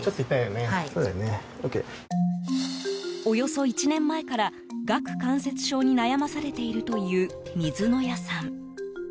およそ１年前から顎関節症に悩まされているという水野谷さん。